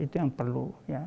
itu yang perlu